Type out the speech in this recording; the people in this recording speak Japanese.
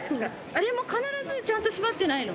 あれも必ずちゃんと閉まってないの。